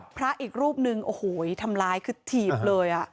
พระอีกรูปนึงโอ้โหทำร้ายคือถีบเลย